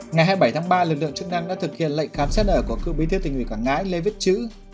ngày hai mươi bảy tháng ba lực lượng chức năng đã thực hiện lệnh khám xét ở của cư bí thiêu tù nghỉ quảng ngãi lê vít chữ